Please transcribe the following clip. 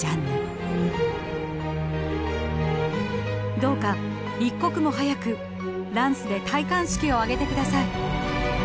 「どうか一刻も早くランスで戴冠式を挙げてください」。